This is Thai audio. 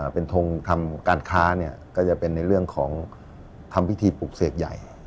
เป็นทงทำการค้าก็จะเป็นในเรื่องของทำพิธีปลุกเสกใหญ่